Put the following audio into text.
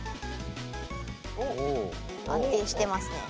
安定してますね。